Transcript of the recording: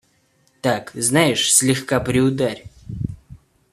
Так, знаешь, слегка приударь.